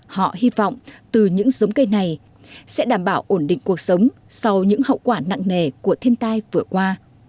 họ hy vọng từ những giống cây này sẽ đảm bảo ổn định cuộc sống sau những hậu quả nặng nề của thiên tai vừa qua